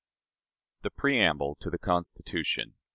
The Preamble to the Constitution.